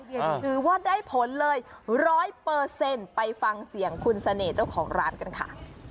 ถือว่าได้ผลเลย๑๐๐ไปฟังเสียงคุณเสน่ห์เจ้าของร้านกันค่ะ